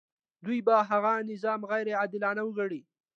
دوی به هغه نظام غیر عادلانه وګڼي.